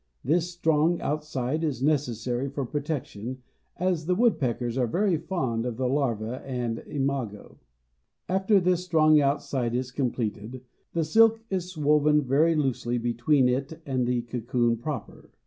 This strong outside is necessary for protection, as the woodpeckers are very fond of the larva and imago. After this strong outside is completed the silk is woven very loosely between it and the cocoon proper.